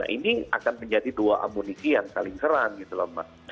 nah ini akan menjadi dua amunikian saling serang gitu lho mbak